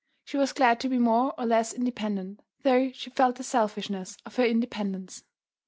She was glad to be more or less independent, though she felt the selfishness of her independence.